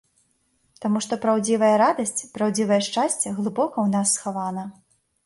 Таму што праўдзівая радасць, праўдзівае шчасце глыбока ў нас схавана.